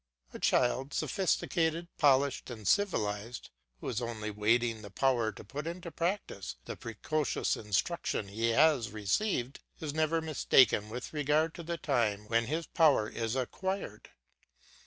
A child sophisticated, polished, and civilised, who is only awaiting the power to put into practice the precocious instruction he has received, is never mistaken with regard to the time when this power is acquired.